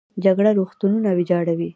جګړه روغتونونه ویجاړوي